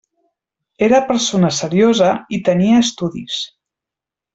Era persona seriosa i tenia estudis.